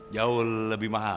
jauh lebih mahal